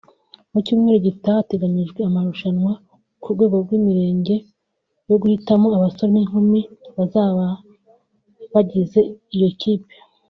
Mu cyumweru gitaha hateganyijwe amarushanwa ku rwego rw’imirenge yo guhitamo abasore n’inkumi bazaba bagize iyo kipe